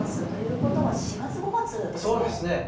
ということは、４月、５月でそうですね。